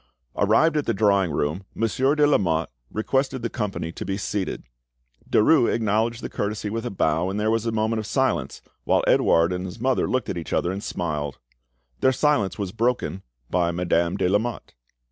Arrived at the drawing room, Monsieur de Lamotte requested the company to be seated. Derues acknowledged the courtesy by a bow, and there was a moment of silence, while Edouard and his mother looked at each other and smiled. The silence was broken by Madame de Lamotte.